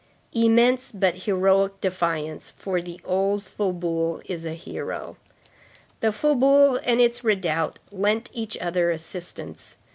Immense but heroic defiance, for the old faubourg is a hero. The faubourg and its redoubt lent each other assistance.